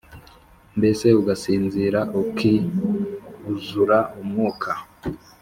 mbese ugasingiza ukiuzura umwuka